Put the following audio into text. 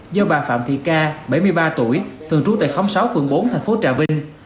do bà phạm thị ca bảy mươi ba tuổi thường trú tại khóm sáu phường bốn thành phố trà vinh